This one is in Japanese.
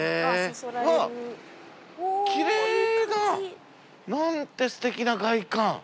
うわきれいな何てすてきな外観。